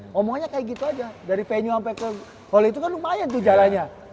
ngomongnya kayak gitu aja dari venue sampai ke hall itu kan lumayan tuh jalannya